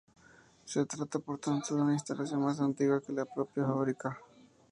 Se trata por tanto de una instalación más antigua que la propia fábrica.